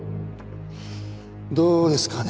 どうですかね。